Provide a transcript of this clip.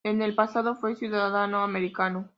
En el pasado fue ciudadano americano.